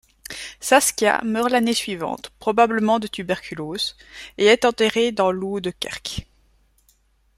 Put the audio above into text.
Saskia meurt l'année suivante, probablement de tuberculose, et est enterrée dans la Oude Kerk.